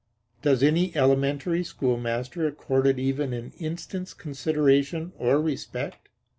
Does any elementary schoolmaster accord it even an instant's consideration or respect?